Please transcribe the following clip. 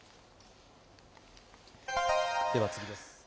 では次です。